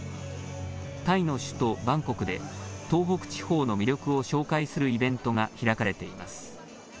タイの首都バンコクで東北地方の魅力を紹介するイベントが開かれています。